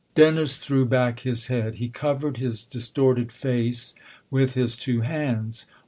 Dennis threw back his head ; he covered his distorted face with his two hands.